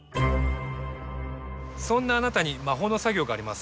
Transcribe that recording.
そんなあなたに魔法の作業があります。